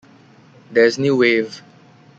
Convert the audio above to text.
There's New Wave.